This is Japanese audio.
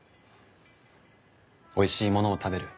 おいしいものを食べる。